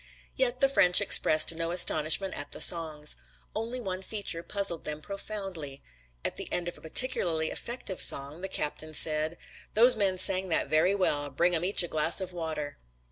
Yet the French expressed no astonishment at the songs. Only one feature puzzled them profoundly. At the end of a particularly effective song the captain said, "Those men sang that very well. Bring 'em each a glass of water."